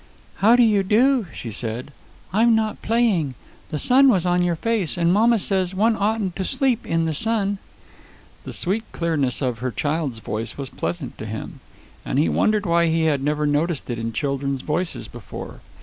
"How do you do?" she said. "I'm not playing. The sun was on your face, and mamma says one oughtn't to sleep in the sun." The sweet clearness of her child's voice was pleasant to him, and he wondered why he had never noticed it in children's voices before.